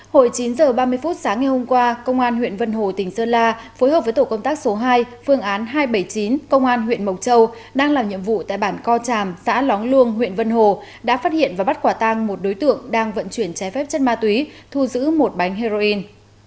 hồi chín h ba mươi phút sáng ngày hôm qua công an huyện vân hồ tỉnh sơn la phối hợp với tổ công tác số hai phương án hai trăm bảy mươi chín công an huyện mộc châu đang làm nhiệm vụ tại bản co tràm xã lóng luông huyện vân hồ đã phát hiện và bắt quả tang một đối tượng đang vận chuyển trái phép chất ma túy thu giữ một bánh heroin